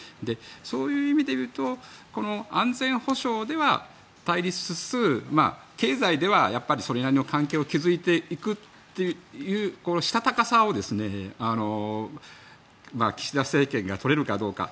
そういう意味でいうと安全保障では対立しつつ経済ではそれなりの関係を築いていくというしたたかさを岸田政権が取れるかどうか。